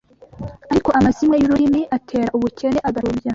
Ariko amazimwe y’ururimi atera ubukene agatubya.